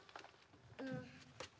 うん。